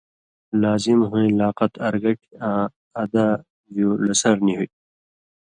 لازم ہُوئیں لاقت ارگٹیۡ آں ادا جُو لَسَر نی ہُوئ تھی۔